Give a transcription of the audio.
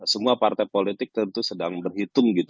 semua partai politik tentu sedang berhitung gitu